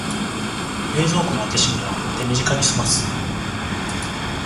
冷蔵庫の開け閉めは手短にすます